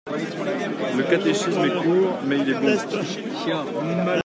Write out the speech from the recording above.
Le catéchisme est court ; mais il est bon.